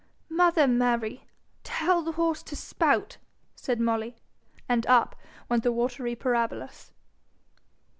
'Mother Mary, tell the horse to spout,' said Molly; and up went the watery parabolas.